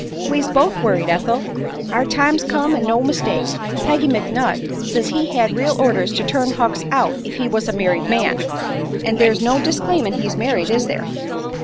"We's both worried, Ethel. Our time's come, an' no mistake. Peggy McNutt says as he had real orders to turn Hucks out if he was a married man; an' there's no disclaimin' he's married, is there?